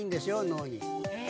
脳に。